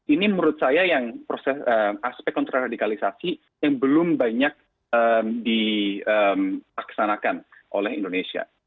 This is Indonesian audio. ini menurut saya yang proses aspek kontraradikalisasi yang belum banyak dilaksanakan oleh indonesia